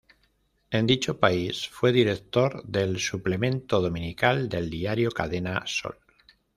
En dicho país fue director del Suplemento Dominical del diario "Cadena Sol".